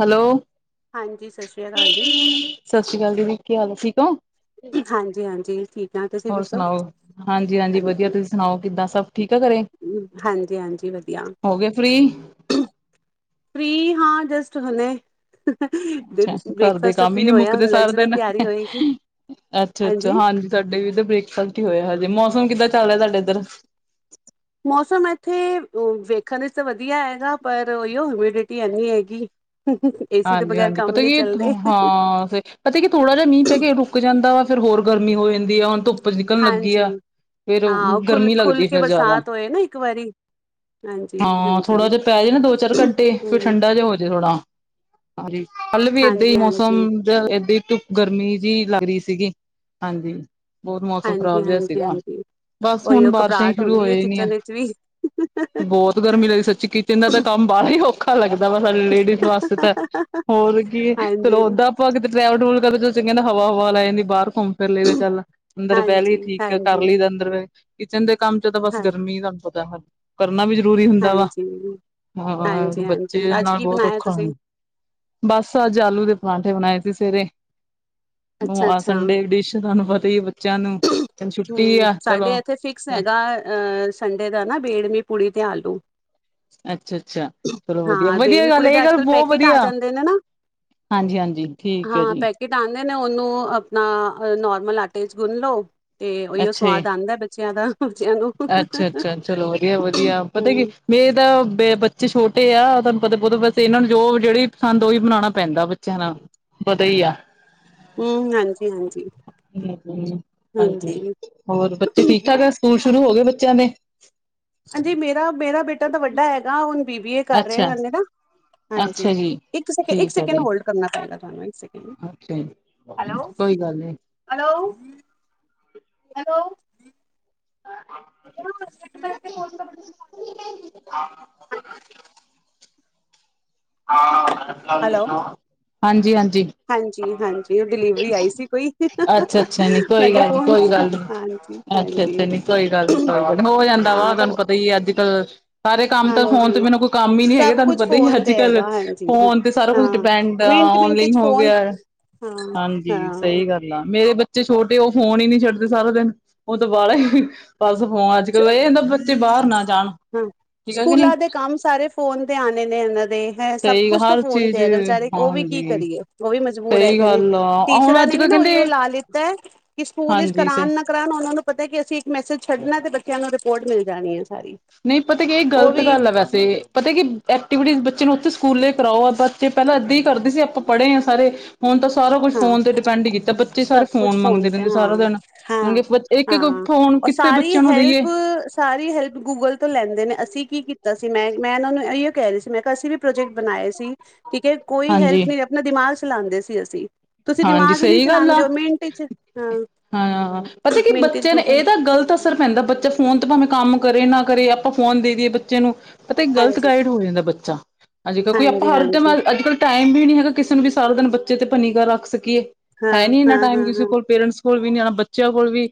Hello, ਹਾਂਜੀ ਸਤਿ ਸ਼੍ਰੀ ਅਕਾਲ ਜੀ। ਸਤਿ ਸ੍ਰੀ ਅਕਾਲ ਦੀਦੀ, ਕੀ ਹਾਲ ਹੈ ਠੀਕ ਹੋ? ਹਾਂਜੀ ਹਾਂਜੀ ਠੀਕ ਆ ਤੁਸੀਂ ਹੋਰ ਦੱਸੋ ਸੁਣਾਓ? ਹਾਂਜੀ-ਹਾਂਜੀ ਵਧੀਆ, ਤੁਸੀਂ ਸੁਣਾਓ ਕਿੱਦਾਂ ਸਭ ਠੀਕ ਆ ਘਰੇ? ਹਾਂਜੀ-ਹਾਂਜੀ ਵਧੀਆ, ਹੋਗੇ ਫ੍ਰਰੀ, ਫਰੀ ਹਾਂ, ਜਸਟ ਹੁਣੇ ਅੱਛਾ ਘਰ ਦੇ ਬ੍ਰੇਕਫਾਸਟ ਤੋਂ ਕੰਮ ਹੀ ਫਰੀ ਨੀ ਹੋਇਆ, ਹੁਣ ਲੰਚ ਦੀ ਤਿਆਰੀ ਹੋਏਗੀ। ਅੱਛਾ-ਅੱਛਾ, ਹਾਂਜੀ ਸਾਡੇ ਵੀ ਇਧਰ ਬ੍ਰੇਕਫਾਸਟ ਹੀ ਹੋਇਆ, ਹਜੇ ਮੌਸਮ ਕਿੱਦਾਂ ਚੱਲ ਰਿਹਾ ਸਾਡੇ ਇੱਧਰ ਮੌਸਮ ਇੱਥੇ ਵੇਖਣ ਵਿੱਚ ਤਾਂ ਵਧੀਆ ਹੈਗਾ, ਪਰ ਉਹੀਓ ਹਿਊਮਿਡਿਟੀ ਐਨੀ ਹੈਗੀ। ਹੂੰ, ਹਾਂਜੀ-ਹਾਂਜੀ ਪਤਾ ਕੀ ਹਾਂ, ਫੇਰ ਪਤਾ ਕਿ ਥੋੜ੍ਹਾ ਜਾ ਮੀਂਹ ਪੈ ਕੇ ਰੁਕ ਜਾਂਦਾ ਵਾ, ਫੇਰ ਹੋਰ ਗਰਮੀ ਹੋ ਜਾਂਦੀ ਆ, ਹੁਣ ਤੁਪ ਧੁੱਪ ਨਿਕਲਣ ਲੱਗੀ ਆ, ਹਾਂਜੀ ਫੇਰ ਹਾਂ ਉਹ ਖੁੱਲ ਗਰਮੀ ਖੁੱਲ ਲੱਗਦੀ ਏ ਕੇ ਫੇਰ ਜੈਦਾ। ਬਰਸਾਤ ਹੋਏ ਨਾ ਇੱਕ ਵਾਰੀ ਹਾਂਜੀ ਹਾਂ, ਹਾਂਜੀ ਥੋੜ੍ਹਾ ਜਾ ਪੈ ਜੇ ਨਾ ਦੋ-ਚਾਰ ਘੰਟੇ ਫਿਰ ਹਮ ਠੰਡਾ ਜਾ ਹੋਜੇ ਥੋੜਾ। ਹਾ ਹਾਜੀ, ਕੱਲ ਵੀ ਏਦਾਂ ਹੀ ਹਾਂਜੀ ਹਾਂਜੀ ਮੌਸਮ ਹਾਂਜੀ ਜ ਏਦਾਂ ਹੀ ਧੁੱਪ ਗਰਮੀ ਜਿ ਲੱਗ ਰੀ ਸੀਗੀ, ਹਾਂਜੀ। ਬੌਤ ਮੌਸਮ ਖ਼ਰਾਬ ਹਾਂਜੀ ਜਾ ਹਾਂਜੀ ਸੀਗਾ। ਹਾਂਜੀ ਬਸ ਹੁਣ ਉਹੀਓ ਬਾਰਿਸ਼ਾਂ ਹੀ ਘਬਰਾਹਟ ਸ਼ੁਰੂ ਹੋ ਹੁੰਦੀ ਹੈ ਜਾਨੀ ਐ, ਕਿਚਨ ਵਿੱਚ ਵੀ ਬੌਤ ਗਰਮੀ ਲੱਗਦੀ ਸੱਚੀ ਕਿ ਜੇੰਦਾ ਤਾਂ ਕੰਮ ਬਾਰ ਹੀ ਔਖਾ ਲੱਗਦਾ ਵਾ, ਸਾਡੇ ਲੇਡੀਜ਼ ਵਾਸਤੇ ਤਾਂ, ਹੋਰ ਕੀ ਚਲੋ ਹਾਂਜੀ ਔਦਾ ਅਪਾਂ ਕਿਤੇ ਟਰੈਵ ਟੂਲ ਕਰੇ ਤੋ ਚੰਗੇ ਨਾ ਹਵਾ-ਹੁਵਾ ਲਗ ਜਾਂਦੀ ਬਾਰ ਘੁੰਮ ਪੈਲੇ ਤੇ ਚੱਲ ਅੰਦਰ ਬੈਹ ਲਈ ਹਾਂਜੀ ਠੀਕ ਐ, ਕਰ ਹਾਂਜੀ ਲਈ ਦੈ ਅੰਦਰ ਬੈ ਕਿਚਨ ਦੇ ਕੰਮ ਤੇ ਤਾਂ ਬਸ ਹਾਂ ਗਰਮੀ ਤੁਹਾਨੂੰ ਪਤਾ, ਹਰ ਕਰਨਾ ਵੀ ਜ਼ਰੂਰੀ ਹੁੰਦਾ ਵਾ ਹਾਂਜੀ ਹਾਂ, ਹਾਂਜੀ ਬੱਚੇ ਹਾਂਜੀ ਅੱਜ ਨਾਲ ਕੀ ਬਹੁਤ ਬਣਾਇਆ ਔਖਾ ਤੁਸੀਂ ਬਸ ਅੱਜ ਆਲੂ ਦੇ ਪਰਾਂਠੇ ਬਣਾਏ ਸੀ ਸਵੇਰੇ। ਅੱਛਾ ਹੁੰ ਆਹ ਅੱਛਾ ਹਮ ਸੰਡੇ ਡਿਸ਼ ਤੁਹਾਨੂੰ ਪਤਾ ਈ ਏ ਬੱਚਿਆਂ ਨੂੰ, ਛੁੱਟੀ ਆ, ਚਲੋ। ਸੈਗਾ ਅ ਸੰਡੇ ਦਾ ਨਾ ਬੇੜਮੀ ਪੁੜੀ ਤੇ ਆਲੂ। ਅੱਛਾ-ਅੱਛਾ, ਚਲੋ ਵਧੀਆ ਹਾਂ ਵਧੀਆ ਬੇੜਮੀ ਗੱਲ, ਪੁੜੀ ਏਹ ਦੇ ਅੱਜ ਗੱਲ ਕੱਲ ਬਹੁਤ ਪੈਕੇਟ ਆ ਵਧੀਆ। ਜਾਂਦੇ ਨੇ ਨਾ ਹਾਂਜੀ-ਹਾਂਜੀ, ਠੀਕ ਹੈ ਜੀ। ਕਿਟ ਆਂਦੇ ਨੇ ਓਨੂੰ ਅਪਣਾ ਨੋਰਮਲ ਆਟੇ ਚ ਗੁੰਨ ਲੋ ਤੇ ਓਹੀਓ ਅੱਛਾ ਜੀ ਸਵਾਦ ਆਦੇ, ਬੱ ਚਿਆ ਦਾ ਬੱਚਿਆਂ ਨੂੰ, ਅੱਛਾ ਅੱਛਾ ਚਲੋ ਵਧੀਆ ਵਧੀਆ ਪਤਾ ਕੀ ਹੂੰ। ਮੇਰੇ ਤਾਂ ਬ-ਬੱਚੇ ਛੋਟੇ ਆ ਤੁਹਾਨੂੰ ਪਤਾ ਬੌਤਾ ਬਸ ਏਨਾਂ ਨੂੰ ਜੋ ਜੇੜੀ ਪਸੰਦ ਓਹੀ ਬਣਾਣਾ ਪੈਂਦਾ ਬੇ। ਚਨਾ ਵਧਾ ਈ ਆ। ਹੂੰ, ਹਾਂਜੀ-ਹਾਂਜੀ। ਹਾਂਜੀ, ਹੋਰ ਬੱਚੇ ਠੀਕ-ਠਾਕ ਹੈ, ਸਕੂਲ ਸ਼ੁਰੂ ਹੋਗੇ ਬੱਚਿਆਂ ਦੇ? ਹਾਂਜੀ, ਮੇਰਾ-ਮੇਰਾ ਬੇਟਾ ਤਾਂ ਵੱਡਾ ਹੈਗਾ ਹੁਣ, ਬੀ ਬੀ ਏ ਕਰ ਅੱਛਾ ਰਿਆ ਹਲੇ ਨਾ। ਹਾਂਜੀ, ਅੱਛਾ ਜੀ ਇੱਕ ਸੈਕ ਇੱਕ ਠੀਕ ਆ ਸੈਕਿੰਡ ਜੀ ਹੋਲਡ ਕਰਨਾ ਪਏਗਾ, ਤੁਹਾਨੂੰ ਇੱਕ ਸੈਕਿੰਡ। ਅੱਛਾ ਜੀ ਕੋਈ ਗੱਲ ਨੀ। ਹੈਲੋ-ਹੈਲੋ। [unintelligible] [unintelligible] ਹਾਂਜੀ-ਹਾਂਜੀ। ਹਾਂਜੀ-ਹਾਂਜੀ, ਓਹ ਡਿਲੀਵਰੀ ਆਈ ਸੀ ਕੋਈ, ਅੱਛਾ ਅੱਛਾ ਮੈਂ ਕਿਹਾ ਫੋਨ ਹਾਂਜੀ‌। ਅੱਛਾ-ਅੱਛਾ, ਨੀ ਕੋਈ ਗੱਲ ਨੀ-ਕੋਈ ਗੱਲ ਨੀ, ਹੋ ਜਾਂਦਾ ਵਾ ਹਾਂ ਤਾਂ ਤੁਹਾਨੂੰ ਪਤ ਬਈ ਅੱਜ-ਕੱਲ੍ਹ ਸਾਰੇ ਕੰਮ ਤਾਂ ਫੋਨ ਤੇ ਹਾਂਜੀ ਮੈਨੂੰ ਕੋਈ ਕੰਮ ਹੀ ਨੀ ਹੈਗੇ, ਸਭ ਤੁਹਾਨੂੰ ਕੁਛ ਪਤਾ ਹੀ ਐ ਫੋਨ ਅੱਜ ਤੇ ਜ-ਕੱਲ ਹੈਗਾ ਹਾਂਜੀ ਹਾਂ ਫੋਨ ਤੇ ਸਾਰਾ ਕੁਛ ਹਾਂ ਡਿਪੈਂਡ ਆ ਮਿੰਟ ਮਿੰਟ ਔਨਲਾਈਨ ਚ ਹੋ ਫੋਨ ਗਿਆ। ਹਾਂ ਹਾਂਜੀ, ਹਾਂ ਸਹੀ ਗੱਲ। ਨਾ, ਮੇਰੇ ਬੱਚੇ ਛੋਟੇ ਓਹ ਫੋਨ ਹੀ ਨੀ ਛੱਡਦੇ ਸਾਰਾ ਦਿਨ, ਓਹ ਤਾਂ ਬਾੜਾ ਹੀ ਵਟ ਹੁਣ, ਅੱਜ-ਕੱਲ ਏਹ ਹੁੰਦਾ ਬੱਚੇ ਬਾਰ ਨਾ ਜਾਣ, ਠੀਕ ਹੈ ਕਿ ਨਹੀ? ਕਮ ਸਾਰੇ ਫੋਨ ਤੇ ਆਣੇ ਨੇ ਹੋਹ। ਰੇ ਹੈ ਸਭ ਸਹੀ ਕੁਛ ਤਾਂ ਹਰ ਫੋਨ ਤੇ ਚੀਜ਼ ਹੈਗਾ, ਵਿਚਾਰੇ ਓਹ ਵੀ ਕੀ ਹਾਂਜੀ ਕਰੀਏ ਓਹ ਵੀ ਮਜਬੂਰ ਸਹੀ ਹੈਗੇ ਨੇ। ਗੱਲ ਆ ਹੁਣ ਟੀਚਰਾਂ ਅੱਜ ਨੇ ਵੀ ਕੱਲ ਨਾ ਓਹੀਓ ਕਹਿੰਦੇ ਲਾ ਲਿੱਤਾ ਕਿ ਸਕੂਲ ਇਚ ਹਾਂਜੀ ਸਹੀ ਕਰਾਣ ਨਾ ਕਰਾਣ ਓਹਨਾਂ ਨੂੰ ਪਤਾ ਕਿ ਅਸੀਂ ਇੱਕ ਮੈਸੇਜ ਛੱਡਣਾ ਤੇ ਬੱਚ ਚਿਆਂ ਨੂੰ ਰਿਪੋਰਟ ਮਿਲ ਜਾਣੀ ਏ ਸਾਰੀ, ਓਹ ਵੀ ਅਸੀ ਪਤਾ ਕਿ ਐਕਟੀਵਿਟੀ ਬੱਚੇ ਨੂੰ ਉੱਥੇ ਸਕੂਲੇ ਕਰਾਓ, ਬੱਚੇ ਪੈਲਾਂ ਏਦਾਂ ਹੀ ਕਰਦੇ ਸੀ, ਅਪਾਂ ਪੜ੍ਹੇ ਹਾਂ ਸਾਰੇ। ਹੁਣ ਤਾਂ ਸਾਰਾ ਕੁਛ ਹਾਂ ਫੋਨ ਤੇ ਡਿਪੈਂਡ ਕੀਤਾ, ਬੱਚੇ ਸਾਰੇ ਸਭ ਫੋਨ ਕੁਛ ਮੰਗਦੇ ਤੇ ਰੈੰਦੇ ਸਾਰਾ ਹਾਂ ਦਿਨ। ਹਾਂ ਹੁਣ ਬਚੇ ਇੱਕ-ਇੱਕ ਹਾਂ ਫੋਨ ਔਰ ਕਿ ਸਾਰੀ ਹੈਲਪ ਸਾਰੀ ਹੈਲਪ ਗੂਗਲ ਤੋਂ ਲੈਂਦੇ ਨੇ, ਅਸੀਂ ਕੀ ਕੀਤਾ ਸੀ ਮੈਂ- ਮੈਂ ਏਨਾਂ ਨੂੰ ਏਹਿਔ ਕੈਹਰੀ ਸੀ ਮੈਂ ਕਿਹਾ ਅਸੀਂ ਵੀ ਪ੍ਰੋਜੈਕਟ ਬਣਾਏ ਸੀ। ਠੀਕ ਹੈ, ਕੋਈ ਹਾਂਜੀ ਹੈਲਪ ਨੀ ਅਪਣਾ ਦਿਮਾਗ ਚਲਾੰਦੇ ਸੀ ਅਸੀਂ। ਤੁਸੀਂ ਹਾਂਜੀ ਦਿਮਾਗ ਹੀ ਨੀ ਸਹੀ ਗੱਲ ਆ ਚਲਾੰਦੇ ਹੋ ਮਿੰਟ ਇਚ, ਹਾਂ। ਹਾਂ, ਪਤਾ ਕੀ ਮਿੰਟ ਚ ਬੱਚੇ ਨੇ ਗੂਗਲ ਇਹ ਤਾਂ ਗਲਤ ਅਸਰ ਪੈਂਦਾ ਬੱਚਾ ਫੋਨ ਤੇ ਭਾਵੇਂ ਕੰਮ ਕਰੇ ਨਾ ਕਰੇ ਆਪਾਂ ਫੋਨ ਦੇ ਦੀਈਏ ਬੱਚੇ ਨੂੰ। ਪਤਾ, ਗਲਤ ਹਾਂਜੀ ਗਾਈਡ ਹੋ ਜਾਂਦਾ ਬੱਚਾ ਹਾਂਜੀ, ਕਿਉਂਕਿ ਆਪਾਂ ਹਰ ਟਾਈਮ ਅੱਜ-ਕੱਲ੍ਹ ਟਾਈਮ ਵੀ ਨੀ ਹੈਗਾ ਕਿਸੇ ਨੂੰ ਵੀ ਸਾਰਾ ਦਿਨ ਬੱਚੇ ਤੇ ਉਪਰ ਨਿਗਾਹ ਰੱਖ ਸਕੀਏ, ਹਾਂ ਹੈਨੀ ਇੰਨਾ ਹਾਂ ਟਾਈਮ ਹਾਂ ਕਿਸੇ ਹਾਂ ਕੋਲ ਪੇਰੈਂਟਸ ਕੋਲ ਵੀ ਨੀ ਜਾਣਾ ਬੱਚਿਆਂ ਕੋਲ ਵੀ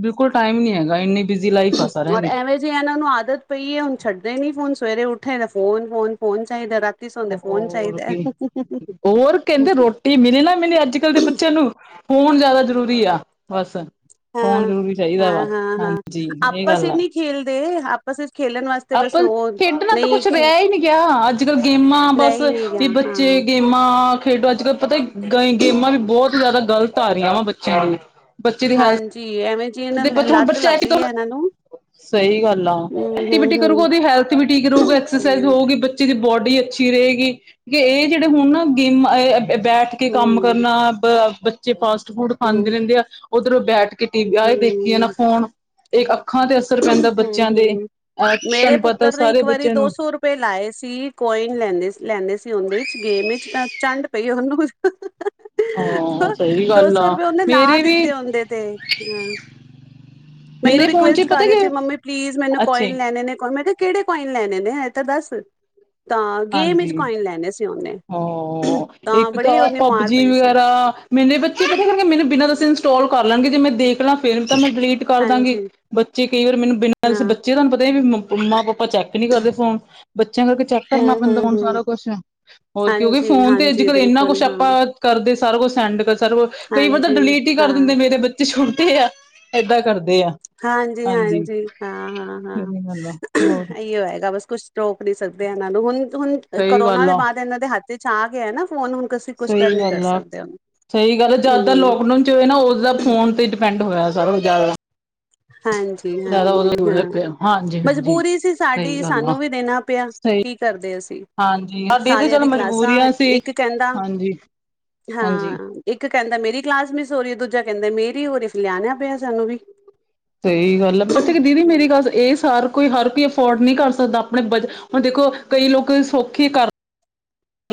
ਬਿਲਕੁਲ ਟਾਈਮ ਨੀ ਹੈਗਾ ਇੰਨੀ ਬਿਜ਼ੀ ਲਾਈਫ ਆ ਸਾਰਿਆਂ ਔਰ ਦੀ। ਐਵੇਂ ਜੇ ਇਹਨਾਂ ਨੂੰ ਆਦਤ ਪਈ ਹੈ ਹੁਣ ਛੱਡਦੇ ਨੀ ਫੋਨ ਸਵੇਰੇ ਉੱਠੇ ਫੋਨ-ਫੋਨ-ਫੋਨ ਚਾਹੀਦਾ ਰਾਤ ਹੋਰ ਕੀ ਹੋਰ ਕਹਿੰਦੇ ਚਾਹੀਦਾ ਰੋਟ ਟੀ ਮਿਲੇ ਨਾ ਮਿਲੇ ਅੱਜ-ਕੱਲ੍ਹ ਦੇ ਬੱਚਿਆਂ ਨੂੰ ਫੋਨ ਜ਼ਿਆਦਾ ਜ਼ਰੂਰੀ ਆ ਬਸ। ਫੋਨ ਹਾਂ ਜ਼ਰੂਰੀ ਚਾਹੀਦਾ ਵਾ ਹਾਂ ਹਾਂ ਹਾਂ ਹਾਂਜੀ, ਇਹ ਆਪਸ ਗੱਲ ਆ। ਨਹੀਂ ਖੇਲਦੇ ਆਪਸ ਵਿੱਚ ਖੇਲਣ ਵਾਸਤੇ ਬਸ ਆਪਾਂ, ਉਹ ਖੇਡਣਾ ਤਾਂ ਨਹੀਂ ਕੁਛ ਖੇ ਰੈਹੀ ਨੀ ਗਿਆ ਅੱਜ-ਕੱਲ ਗੇਮਾਂ ਰਹਿ ਬਸ ਹੀ ਨਹੀਂ ਗਿਆ ਵੀ ਬੱਚੇ ਹਾਂ ਗੇਮਾਂ ਖੇਡੋ ਅੱਜ-ਕੱਲ ਪਤਾ ਗ ਗੇਮਾਂ ਵੀ ਬਹੁਤ ਜ਼ਿਆਦਾ ਗ਼ਲਤ ਆ ਰਹੀਆਂ ਵਾ ਬੱਚਿਆਂ ਨੂੰ। ਹਾਂਜੀ, ਐਵੇਂ ਜੀ ਹੁਣ ਲੱਤ ਬੱਚਾ ਲੱਗਈ ਹੈ ਇਹਨਾਂ ਨੂੰ। ਸਹੀ ਗੱਲ ਆ ਹਮ ਐਕਟੀਵਿਟੀ ਹਮ ਕਰੂਗਾ ਹਮ ਉਹਦੀ ਹੈਲਥ ਵੀ ਠੀਕ ਰਹੇਗਾ ਐਕਸਜ਼ ਹਮ ਹੋਊਗੀ ਬਚ ਬੱਚੇ ਦੀ ਬੋਡੀ ਅੱਛੀ ਰਹੇਗੀ ਕਿਉ ਇਹ ਜਿਹੜੇ ਹੁਣ ਨਾ ਗੇਮਾਂ ਬੈਠ ਕੇ ਕੰਮ ਹਮ ਕਰਨਾ ਬ ਬੱਚੇ ਫਾਸਟ-ਫੂਡ ਖਾਂਦੇ ਹਮ ਰਹਿੰਦੇ ਆ ਉੱਧਰੋਂ ਬੈਠ ਕੇ ਟੀ ਵੀ ਆਏ ਦੇਖੀਏ ਨਾ ਹਮ ਫੋ ਹੁਣ ਇੱਕ ਅੱਖਾਂ ਤੇ ਅਸਰ ਪੈਂਦਾ ਬੱਚਿਆਂ ਹਮ ਦੇ ਹਮ ਅਹ ਤੁਹਾਨੂੰ ਪਤਾ ਸਾਰੇ ਬੱਚਿਆਂ ਨੂੰ ਪੇ ਲਾਏ ਸੀ ਕੋਇਨ ਲੈਂਦੇ ਲੈਂਦੇ ਸੀ ਉਹਦੇ ਚ ਗੇਮ ਵਿੱਚ ਚੰਡ ਪਈ ਉਹਨੂੰ ਹਾਂ ਸਹੀ ਦੋ ਗੱਲ ਸੌ ਆ ਰੁਪਏ ਉਹਨੇ ਲਾ ਮੇਰੇ ਵੀ ਦਿੱਤੇ ਉਂਦੇਤੇ। ਮੈਨੂੰ ਮੇਰੇ ਫੋਨ ਚ ਰਿਕੁਐਸਟ ਕਰ ਪਤਾ ਰਿ ਕੀ ਤੇ ਮੰਮੀ ਪਲੀਜ਼ ਮੈਨੂੰ ਅੱਛੇ ਕੋਇਨ ਲੈਣੇ ਨੇ ਕੋ ਮੈਂ ਕਿਹੜੇ ਕੋਇਨ ਲੈਣੇ ਨੇ ਤਾਂ ਦੱਸ। ਤਾਂ ਗੇਮ ਵਿੱਚ ਹਾਂਜੀ ਕੋਇਨ ਲੈਣੇ ਸੀ ਉਹਨੇ। ਹਾਂ ਇੱਕ ਤਾਂ ਬੜੀ ਉਹਨੇ ਮਾਰ ਪਬਜੀ ਪਈ ਸੀ ਵਗੈਰਾ ਮੇਰੇ ਬੱਚੇ ਪਤਾ ਕਰਗੇ ਮੈਨੂੰ ਬਿਨਾਂ ਦਸੀਂ ਇੰਸਟਾਲ ਕਰ ਲੈਣਗੇ ਜੇ ਮੈਂ ਦੇਖ ਲਾਂ ਫਿਰ ਤਾਂ ਮੈਂ ਡਿਲੀਟ ਕਰਦਾਂਗੇ। ਹਾਂਜੀ ਬੱਚੇ ਕਈ ਵਾਰ ਮੈਨੂੰ ਬਿਨਾਂ ਦਸੇ ਹਾਂ ਬੱਚੇ ਤੁਹਾਨੂੰ ਪਤਾ ਵੀ ਮਮਾ-ਪਾਪਾ ਚੈੱਕ ਨੀ ਕਰਦੇ ਫੋਨ ਬੱਚਿਆਂ ਕਰਕੇ ਚੈੱਕ ਹੂੰ ਕਰਨਾ ਹੂੰ ਪੈਂਦਾ ਹੁਣ ਹੂੰ ਸਾਰਾ ਕੁਛ। ਹੋਰ ਕਿਉਂਕਿ ਹਾਂਜੀ ਫੋਨ ਤੇ ਹਾਂਜੀ ਅੱਜ-ਕੱਲ ਇਨਾ ਬਿਲਕੁਲ ਕੁਛ ਹਾਂ ਆਪਾਂ ਕਰਦੇ ਸਾਰਾ ਕੁਛ ਸੈਂਡ ਕਰ ਸਾਰਾ ਕੁਛ ਕਈ ਵਾਰ ਤਾਂ ਹਾਂਜੀ ਡਿਲੀਟ ਹੀ ਕਰ ਹਾਂ ਦਿੰਦੇ। ਮੇਰੇ ਬੱਚੇ ਛੋਟੇ ਆ ਏਦਾਂ ਕਰਦੇ ਆ ਹਾਂਜੀ, ਹਾਂਜੀ ਹਾਂ, ਹਾਂ, ਸਹੀ ਗੱਲ ਆ ਹੋਰ ਹਾਂ ਏਈ ਹੈਗਾ ਬਸ ਕੁਛ ਰੋਕ ਨੀ ਸਕਦੇ ਇਹਨਾਂ ਨੂੰ ਹੁਣ, ਹੁਣ ਸਹੀ ਕਰੋਨਾ ਗੱਲ ਦੇ ਆ ਬਾਅਦ ਇਹਨਾਂ ਦੇ ਹੱਥ ਚ ਆ ਗਿਆ ਨਾ ਫੋਨ ਹੁਣ ਕੁਛ ਕਰ ਸਹੀ ਨੀ ਕਰ ਗੱਲ ਆ- ਸਕਦੇ ਉਹਨੂੰ ਸਹੀ ਗੱਲ ਆ ਜਿਆਦਾਤਰ ਹੂੰ ਲੋਕਡਾਊਨ ਨਾ ਉਸਦਾ ਫੋਨ ਤੇ ਡਿਪੈਂਡ ਹੋਇਆ ਸਾਰਾ ਕੁ ਜ਼ਿਆਦਾ ਹਾਂਜੀ, ਜ਼ਿਆਦਾ ਹਾਂਜੀ ਉਹਦੇ ਹਾਂ ਪਿਆ ਹਾਂਜੀ ਹਾਂਜੀ ਮਜਬੂਰੀ ਸੀ ਸਹੀ ਸਾਡੀ ਗੱਲ ਆ ਸਾਨੂੰ ਵੀ ਦੇਣਾ ਪਿਆ। ਸਹੀ ਕੀ ਕਰਦੇ ਅਸੀਂ ਹਾਂਜੀ ਸਾਡੀ ਤੇ ਸਾਰਿਆਂ ਚੱਲ ਦੀ ਕਲਾਸਾਂ ਮਜਬੂਰੀਆਂ ਸੀ ਇੱਕ ਕਹਿੰਦਾ ਹਾਂਜੀ ਹਾਂ ਹਾਂਜੀ ਇੱਕ ਕਹਿੰਦਾ ਮੇਰੀ ਕਲਾਸ ਮਿਸ ਹੋ ਰਹੀ ਹੈ ਦੂਜਾ ਕਹਿੰਦਾ ਮੇਰੀ ਹੋ ਰਹੀ ਫ ਲਿਆਣਿਆ ਪਿਆ ਸਾਨੂੰ ਵੀ ਸਹੀ ਗੱਲ ਹੈ ਬੱਚ ਦੀਦੀ ਮੇਰੀ ਗੱਲ ਇਹ ਸਾਰ ਕੋਈ ਹਰ ਕੋਈ ਅਫੋਰਡ ਨਹੀਂ ਕਰ ਸਕਦਾ। ਆਪਣੇ ਬ ਹੁਣ ਦੇਖੋ ਕਈ ਲੋਕ ਸੌਖੇ ਕਰ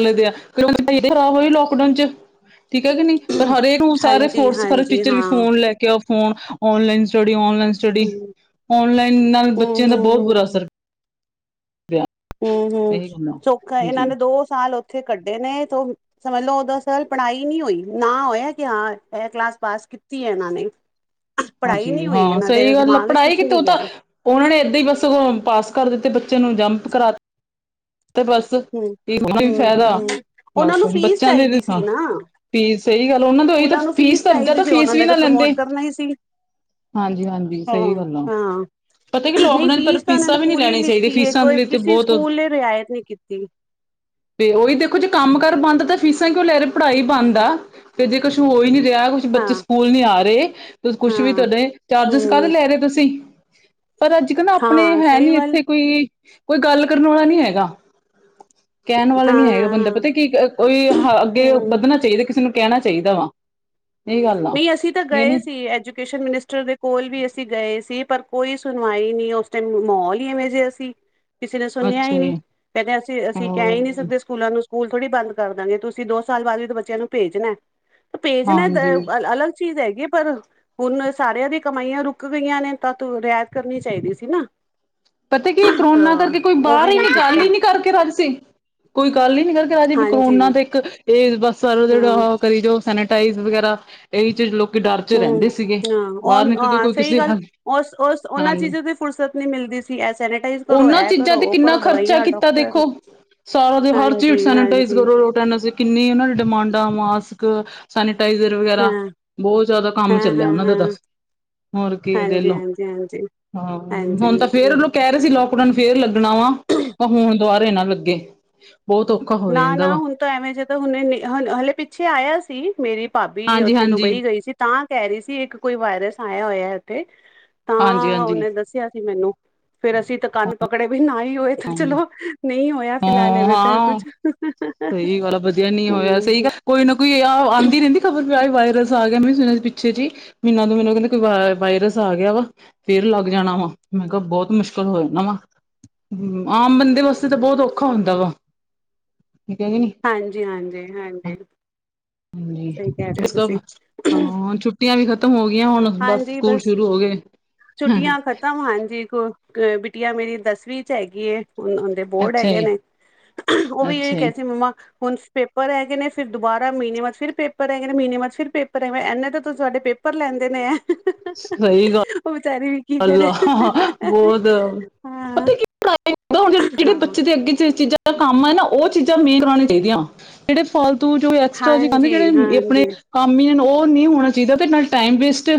ਚ ਆ ਕਰੋ ਖਰਾਬ ਹੋ ਲਾਡਾਊਨ ਚ ਠੀਕ ਹੈ ਕਿ ਨੀ ਪਰ ਹਰੇਕ ਨੂੰ ਸਾਰੇ ਹਾਂਜੀ ਫੋਰਸ ਹਰ ਹਾਂਜੀ ਟੀਚਰ ਵੀ ਹਾਂ ਫੋਨ ਲੈ ਕੇ ਆ ਫੋਨ ਓਨਲਾਈਨ ਸਟੱਡੀ ਓਣਲਾਈਨ ਚੜੀ ਹੂੰ ਔਨਲਾਈਨ ਨਾਲ ਬੱਚਿਆਂ ਹੂੰ ਦਾ ਬਹੁਤ ਹੂੰ ਬੁਰਾ ਅਸਰ ਪਿਆ ਹੂੰ, ਹੂੰ, ਇਹੀ ਗੱਲ ਆ। ਸੁਖ ਹਾਂਜੀ ਇਹਨਾਂ ਨੇ ਦੋ ਸਾਲ ਉੱਥੇ ਕੱਢੇ ਨੇ ਤ ਸਮਝ ਲਓ ਉਦ ਸਰ ਪੜ੍ਹਾਈ ਨਈ ਹੋਈ ਨਾ ਹੋਇਆ ਕਿ ਹਾਂ ਇਹ ਕਲਾਸ ਪਾਸ ਕੀਤੀ ਐ ਇਹਨਾਂ ਨੇ। ਪੜ੍ਹਾਈ ਹਾਂਜੀ, ਨਹੀਂ ਹੋਈ ਹਾਂ ਇਹਨਾਂ ਸਹੀ ਦੇ ਗੱਲ ਆ, ਦਿਮਾਗ ਵਿੱਚ ਪੜ੍ਹਾਈ ਕੁਛ ਕਿ ਨਹੀਂ ਤੂੰ ਤਾਂ ਗਿਆ ਉਹਨਾਂ ਨੇ ਏਦਾਂ ਹੀ ਬਸ ਪਾਸ ਕਰ ਦਿੱਤੇ ਬੱਚੇ ਨੂੰ ਜੰਪ ਕਰਾ ਤੇ ਬਸ ਹੂੰ, ਇਹ ਵੀ ਹੂੰ, ਫਾਇਦਾ ਹੂੰ ਉਹਨਾਂ ਬਸ ਨੂੰ ਫੀਸ ਬੱਚਿਆਂ ਦੀ ਚਾਹੀਦੀ ਸਾਂ ਸੀ ਨਾ ਫੀਸ ਸਹੀ ਗੱਲ ਉਹਨਾਂ ਦੇ ਉਹੀ ਤਾਂ ਸਕੂਲਾਂ ਨੂੰ ਫੀਸ ਤਾਂ ਅਦ ਚਾਹੀਦੀ ਤਾਂ ਸੀ ਫੀਸ ਉਹਨਾਂ ਵੀ ਨੇ ਨਾ ਤਾਂ ਲੈਂਦੇ। ਪ੍ਰਮੋਟ ਕਰਨਾ ਹੀ ਸੀ। ਹਾਂਜੀ, ਹਾਂਜੀ ਸਹੀ ਹਾਂ। ਗੱਲ ਆ। ਹਾਂ ਪਤਾ ਕੀ ਨਹੀਂ ਲੋਕਡਾਊਨ ਪਰ ਫੀਸ ਤਾਂ ਉਹਨਾਂ ਫੀਸਾਂ ਨੇ ਵੀ ਨਹੀਂ ਪੂਰੀ ਲੈਣੀਆਂ ਚਾਹੀਦੀਆਂ ਲਿੱਤੀ ਏ ਫੀਸਾਂ ਦੇ ਕੋਈ ਲਈ ਕਿਸੇ ਬਹੁਤ ਸਕੂਲ ਨੇ ਰਿਆਇਤ ਨ ਕੀਤੀ ਤੇ ਉਹੀ ਦੇਖੋ ਜੇ ਕੰਮ ਕਾਰ ਬੰਦ ਤਾਂ ਫੀਸਾਂ ਕਿਉਂ ਲੈ ਰਹੇ। ਪੜ੍ਹਾਈ ਬੰਦ ਆ ਤੇ ਜੇ ਕੁਛ ਹੋਈ ਨੀ ਰਿਹਾ ਬੱਚੇ ਹਾਂ, ਸਕੂਲ ਨੀ ਆ ਰਹੇ ਕੁਛ ਵੀ ਹਾਂ, ਤੁਹਾਡੇ ਚਾਰਜਿਸ ਕਾਹਦੇ ਹੂੰ, ਲੈ ਰਹੇ ਤੁਸੀਂ? ਪਰ ਅੱਜ ਕੱਲ ਨਾ ਆਪਣੇ ਹਾਂ ਹੈ ਸਹੀ ਨੀ ਗੱਲ ਇੱਥੇ ਕੋਈ ਕੋਈ ਗੱਲ ਕਰਨ ਵਾਲਾ ਨੀ ਹੈਗਾ। ਕਹਿਣ ਵਾਲਾ ਨੀ ਹੈਗਾ ਬੰਦਾ। ਹਾਂ, ਪਤਾ ਕੀ, ਕੋਈ ਹਾਂ, ਹ ਅੱਗੇ ਹੂੰ। ਵੱਧਣਾ ਚਾਹੀਦਾ ਕਿਸੇ ਨੂੰ ਕਹਿਣਾ ਚਾਹੀਦਾ ਵਾ। ਇਹ ਗੱਲ ਆ ਨਹੀਂ ਅਸੀਂ ਤਾਂ ਇਹ ਗਏ ਨੀ ਸੀ। ਐਜ ਮਨਿਸਟਰ ਦੇ ਕੋਲ ਵੀ ਅਸੀਂ ਗਏ ਸੀ। ਪਰ, ਕੋਈ ਸੁਣਵਾਈ ਨਹੀਂ ਉਸ ਟਾਈਮ ਮਾਹੌਲ ਹੀ ਐਵੇਂ ਜਿਹਾ ਅਸੀਂ ਕਿਸੇ ਨੇ ਸੁਣਿਆ ਅੱਛਾ ਹੀ ਨਹੀਂ ਜੀ ਕਹਿੰਦੇ। ਅਸੀਂ, ਅਸੀਂ ਕਹਿ ਹੀ ਨਹੀਂ ਹਾਂ ਸਕਦੇ। ਸਕੂਲਾਂ ਨੂੰ ਸਕੂਲ ਥੋੜੀ ਬੰਦ ਕਰ ਦਾਂਗੇ। ਤੁਸੀਂ ਦੋ ਸਾਲ ਬਾਅਦ ਵੀ ਬੱਚਿਆਂ ਨੂੰ ਭੇਜਣਾ ਭੇਜਣਾ ਹਾਂਜੀ ਅਲੱਗ ਚੀਜ਼ ਹੈਗੀ ਪਰ ਹੁਣ ਸਾਰਿਆਂ ਦੀ ਕਮਾਈਆਂ ਰੁਕ ਗਈਆਂ ਨੇ। ਤਾਂ ਤੂੰ ਰਿਆਇਤ ਕਰਨੀ ਚਾਹੀਦੀ ਸੀ ਨਾ। ਪਤਾ ਕੀ ਕਰੋਨਾ ਤਾਂ ਕਰਕੇ ਕੋਈ ਉਹ ਬਾਹਰ ਵੀ ਹੀ ਨੀ ਗੱਲ ਕੀਤਾ ਹੀ ਨੀ ਕਰਕੇ ਰੱਜ ਸੀ। ਕੋਈ ਗੱਲ ਹੀ ਨੀ ਕਰਕੇ ਜੀ ਵੀ ਕੋ ਹਾਂਜੀ ਕਰੋਨਾ ਤੇ ਇੱਕ ਇਹ ਬਸ ਸਾਰਾ ਹਾਂ ਜਿਹੜਾ ਕਰੀ ਜਾਉ ਸੈਨੇਟਾਈਜ਼ ਵਗੈਰਾ ਇਹੀ ਚ ਡਰ ਹੂੰ, ਰਹਿੰਦੇ ਸੀਗੇ ਹਾਂ ਬਾਹਰ ਨਿਕਲ ਕੇ ਓਹ ਕੋਈ ਸਹੀ ਕਿਸੇ ਗੱਲ ਉਸ, ਉਸ ਉਹਨਾਂ ਹਾਂਜੀ ਚੀਜ਼ਾਂ ਤੇ ਫੁਰਸਤ ਨੀ ਮਿਲਦੀ ਸੀ ਇਹ ਸੈਨੇਟਾਈਜ਼ ਕਰੋ ਉਹਨਾਂ ਇਹ ਚੀਜ਼ਾਂ ਕਰੋ ਤੇ ਉਹ ਕਿੰਨਾ ਕਰੋ ਖਰਚਾ ਦਵਾਈਆਂ ਕੀਤਾ ਡਾਕਟਰ ਦੇਖੋ। ਸਾਰਾ ਦੇ ਹਰ ਹਾਂਜੀ ਚੀਜ਼ ਸੈਨਟਾਈਜ਼ ਹਾਂਜੀ ਕਰੋ ਰੋ ਸੀ ਕਿੰਨੀ ਉਹਨਾਂ ਦੀ ਡਿਮਾਂਡਾਂ ਮਾਸਕ ਸੈਨਟਾਈਜ਼ਰ ਹਾਂ ਵਗੈਰਾ ਬਹੁਤ ਜ਼ਿਆਦਾ ਕੰਮ ਹਾਂ ਚੱਲਿਆ ਹਾਂ ਉਹਨਾਂ ਦਾ ਤਾਂ ਹਾਂ ਹੋਰ ਕੀ ਦੇਖ ਹਾਂਜੀ ਲੋ, ਹਾਂਜੀ ਹਾਂਜੀ ਹਾਂ ਹਾਂਜੀ ਹੁਣ ਤਾਂ ਫੇਰ ਹਾਂਜੀ ਲ ਕਹਿ ਰਹੇ ਸੀ ਲੋਕਡਾਊਨ ਫੇਰ ਲੱਗਣਾ ਵਾ। ਪਰ ਹੁਣ ਦੁਬਾਰੇ ਨਾ ਲੱਗੇ ਬਹੁਤ ਔਖੇ ਨਾ, ਨਾ ਹੁਣ ਤਾਂ ਐਵੇਂ ਜਿਵੇਂ, ਤਾਂ ਹੁ ਹ ਹਲੇ ਪਿੱਛੇ ਆਇਆ ਸੀ ਮੇਰੀ ਭਾਬੀ ਹਾਂਜੀ ਉੱਥੇ ਹਾਂਜੀ ਦੁਬਈ ਗਈ ਸੀ। ਤਾਂ, ਕਹਿ ਰਹੀ ਸੀ ਇੱਕ ਕੋਈ ਵਾਇਰਸ ਆਇਆ ਹੋਇਆ ਉੱਥੇ। ਹਾਂਜੀ ਤਾਂ ਹਾਂਜੀ ਉਹਨੇ ਦੱਸਿਆ ਸੀ ਮੈਨੂੰ ਫੇਰ ਅਸੀਂ ਤਾਂ ਕੰਨ ਪਕੜੇ ਵੀ ਨਾ ਨਹੀਂ ਹੋਏ ਤਾਂ ਹਾਂਜੀ ਚਲੋ ਨਹੀਂ ਹੋਇਆ ਹਾਂ ਫਿਲਹਾਲਵੇ ਤੇ ਹਾਂ ਕੁਛ ਸਹੀ ਗੱਲ ਆ ਵਧੀਆ ਨੀ ਹੋਇਆ। ਸਹੀ ਗੱਲ ਕੋਈ ਨਾ ਕੋਈ ਆਹ ਆਉਂਦੀ ਰਹਿੰਦੀ ਖ਼ਬਰ ਵਿਆ ਵਾਇਰਸ ਆ ਗਿਆ। ਮੈਂ ਸੁਣਿਆ ਸੀ ਪਿੱਛੇ ਜ ਮਹੀਨਾ ਤੋਂ ਮੈਨੂੰ ਕਹਿੰਦੇ ਕੋਈ ਵਾਇਰਸ ਆ ਗਿਆ ਵਾ ਫੇਰ ਲੱਗ ਜਾਣਾ ਵਾ। ਮੈਂ ਕਿਹਾ ਬਹੁਤ ਮੁਸ਼ਕਿਲ ਹੋ ਜਾ ਨਾ ਵਾ। ਹੂੰ, ਆਮ ਬੰਦੇ ਵਾਸਤੇ ਤਾਂ ਬਹੁਤ ਔਖਾ ਹੁੰਦਾ ਵਾ। ਗਈ। ਹਾਂਜੀ ਹਾਂਜੀ ਹਾਂਜੀ ਸਹੀ ਕਹਿ ਰਹੇ ਹੋ ਤੁਸੀਂ ਹਾਂ ਹਾਂ ਛੁੱਟੀਆਂ ਵੀ ਖ਼ਤਮ ਹੋ ਗਈਆਂ ਹੁਣ ਬਸ ਸਕੂਲ ਸ਼ੁਰੂ ਹੋ ਗਏ। ਛੁੱਟੀਆਂ ਖ਼ਤਮ ਹਾਂਜੀ ਕੋ ਅ ਬਿਟਿਆ ਮੇਰੀ ਦਸਵੀਂ ਚ ਹੈਗੀ ਏ। ਦੇ ਬੋਰਡ ਅੱਛਾ ਹੈਗੇ ਜੀ, ਨੇ ਉਹ ਵੀ ਇਹ ਹੀ ਅੱਛਾ ਕਹਿ ਜੀ, ਰਹੀ ਸੀ ਮੰਮਾ ਹੁਣ ਪੇਪਰ ਹੈਗੇ ਨੇ ਫਿਰ ਦੁਬਾਰਾ ਮਹੀਨੇ ਬਾਅਦ ਫਿਰ ਪੇਪਰ ਹੈਗੇ ਨੇ ਮਹੀਨੇ ਬਾਅਦ ਫਿਰ ਪੇਪਰ ਹੈਗੇ ਇੰਨੇ ਤਾਂ ਤੁਂ ਸਾਡੇ ਪੇਪਰ ਲੈਂਦੇ। ਦੇ ਨੇ ਆ। ਸਹੀ ਗੱਲ ਉਹ ਵਿਚਾਰੇ ਵੀ ਕਰੇ ਅੱਲਾ ਬਹੁਤ। ਹਾਂ ਪਤਾ ਕੀਆ ਜਿਹੜੇ ਹਾਂ ਬੱਚੇ ਦੇ ਅੱਗੇ ਚ ਇਹ ਚੀਜ਼ਾਂ ਕੰਮ ਹੈ ਨਾ ਉਹ ਚੀਜ਼ਾਂ ਮੇਨ ਕਰਾਉਣੀਆਂ ਚਾਹੀਦੀਆਂ ਜਿਹੜੇ ਫਾਲਤੂ ਜੋ ਐਕਸਟਰਾ ਕਹਿੰਦੇ ਹਾਂਜੀ ਜਿਹੜੇ ਆਪਣੇ ਹਾਂਜੀ ਕੰਮ ਹੀ ਉਹ ਨਹੀਂ ਹੋਣਾ ਚਾਹੀਦਾ ਤੇ ਨਾਲ ਟਾਈਮ ਵੇਸਟ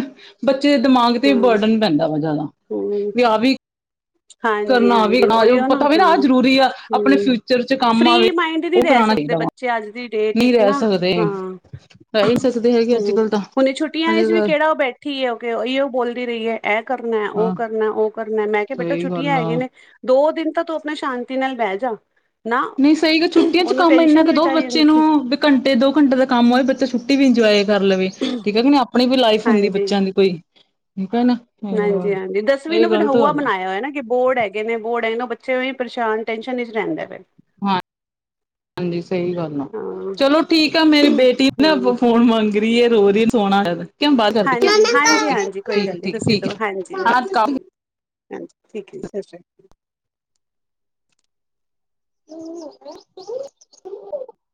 ਬੱਚੇ ਦੇ ਦਿਮਾਗ ਤੇ ਹਾਂ ਬਰਡਨ ਪੈਂਦਾ। ਜਿਆਦਾ ਹਮ ਵੀ ਆਹ ਵੀ। ਹਾਂਜੀ, ਕਰਨਾ ਆਹ ਵੀ ਹਾਂਜੀ ਕਰਨਾ ਉਹੀਓ ਨਾ ਪਤਾ ਵੀ ਹਾਂ ਆਹ ਜ਼ਰੂਰੀ ਆ ਆਪਣੇ ਹਮ ਫਿਊਚਰ ਚ ਕੰਮ ਫ੍ਰਰੀ ਆਵੇ। ਮਾਈੰਡ ਨਹੀਂ ਉਹ ਰਹਿ ਕਰਾਉਣਾ ਸਕਦੇ ਬੱਚੇ। ਚਾਹੀਦਾ ਵਾ ਬੱਚੇ ਅੱਜ ਦੀ ਡੇਟ ਨਹੀਂ ਵਿਚ ਰਹਿ ਨਾ ਸਕਦੇ ਹਾਂ। ਰਹਿ ਹੀ ਸਕਦੇ ਹੈਗੇ ਅੱਜ ਹਮ ਕੱਲ ਤਾਂ। ਹੁਣ ਛੁਟੀਆਂ ਅਜੇ ਵਿੱਚ ਵੀ ਤਾਂ ਕਿਹੜਾ ਉਹ ਬੈਠੀ ਆ ਕਿ ਉਹੀਓ। ਬੋਲਦੀ ਰਹੀ ਹੈ ਇਹ ਕਰਨਾ ਉਹ ਹਾਂ ਕਰਨਾ ਉਹ ਕਰਨਾ ਮੈਂ ਕਿਹਾ ਬੇਟਾ ਸਹੀ ਛੁੱਟੀਆਂ ਗੱਲ ਆ। ਹੈਗੀਆਂ ਨੇ। ਦੋ ਦਿਨ ਤਾਂ ਤੂੰ ਆਪਣੇ ਸ਼ਾਂਤੀ ਨਾਲ ਬਹਿ ਜਾ। ਨਾ ਨਹੀਂ ਸਹੀ ਗ ਛੁੱਟੀਆਂ ਚ ਉਹਨੂੰ ਕੰਮ ਇੰਨਾ ਟੈਨਸ਼ਨ ਹੀ ਕੁ ਦੋ ਵਿਚਾਰੀ ਬੱਚੇ ਹੁੰਦੀ ਸੀ ਨੂੰ ਘੰਟੇ ਦੋ ਘੰਟੇ ਦਾ ਕੰਮ ਹੋਵੇ ਬੱਚਾ ਛੁੱਟੀ ਵੀ ਇੰਜੋਏ ਕਰ ਲਵੇ ਠੀਕ ਹੈ ਕਿ ਨਹੀਂ ਆਪਣੀ ਵੀ ਲਾਈਫ ਹੁੰਦੀ ਬੱਚਿਆਂ ਦੀ ਕੋਈ ਠੀਕ ਹੈ ਨਾ ਹਾਂਜੀ-ਹਾਂਜੀ, ਦਸਵੀਂ ਇਹ ਨੂੰ ਫਿਰ ਗ਼ਲਤ ਹੁਆ ਗੱਲ ਆ ਬਣਾਇਆ ਹੋਇਆ ਨਾ ਕਿ ਬੋਰਡ ਹੈਗੇ ਨੇ ਬੋਰਡ ਹੈਗੇ ਉਹ ਬੱਚੇ ਵੀ ਪਰੇਸ਼ਾਨ ਟੈਨਸ਼ਨ ਵਿਚ ਰਹਿੰਦੇ ਨੇ। ਹਾਂ ਹਾਂਜੀ ਸਹੀ ਗੱਲ ਆ, ਹਾਂ ਚਲੋ ਠੀਕ ਆ ਮੇਰੀ ਬੇਟੀ ਨਾ ਆਪਾਂ ਹੂੰ ਫੋਨ ਮੰਗਦੀ। ਬਈ ਏ ਰੋਜ਼ ਹੀ ਸੋਹਣਾ ਹਾਂਜੀ-ਹਾਂਜੀ-ਹਾਂਜੀ ਕੋਈ ਗੱਲ ਨੀ ਠੀਕ ਤੁਸੀਂ ਠੀਕ ਦਓ ਹੈ ਹਾਂਜੀ ਹਾਂ ਵਧੀਆ ਹਾਂਜੀ ਠੀਕ ਹੈ ਜੀ, ਸਤਿ ਸ਼੍ਰੀ ਅਕਾਲ। [inaudible]